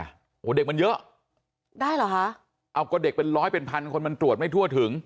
แบบเนี้ยคืนอืมได้เหรอฮะอัลกว่าเด็กเป็นร้อยเป็นพันคนมันตรวจไม่ทั่วถึง